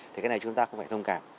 thì cái này chúng ta cũng phải thông cảm